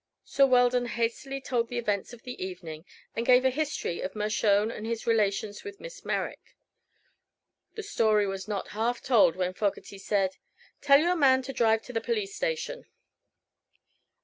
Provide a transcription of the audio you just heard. So Weldon hastily told the events of the evening and gave a history of Mershone and his relations with Miss Merrick. The story was not half told when Fogerty said: "Tell your man to drive to the police station."